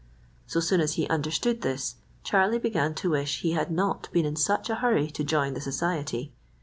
So soon as he understood this, Charlie began to wish he had not been in such a hurry to join the society.